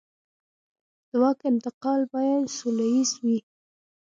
د واک انتقال باید سوله ییز وي